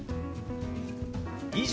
「以上」。